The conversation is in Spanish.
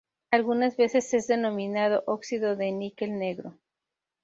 Algunas veces es denominado óxido de níquel negro.